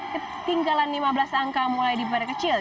ketinggalan lima belas angka mulai di perkecil